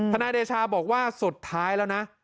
นายเดชาบอกว่าสุดท้ายแล้วนะ